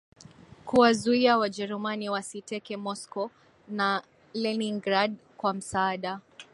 kuwazuia Wajerumani wasiteke Moscow na Leningrad Kwa msaada